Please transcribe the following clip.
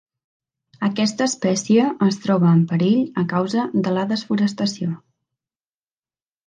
Aquesta espècie es troba en perill a causa de la desforestació.